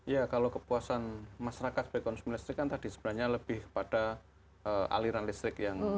ya kalau kepuasan masyarakat sebagai konsumen listrik kan tadi sebenarnya lebih kepada aliran listrik yang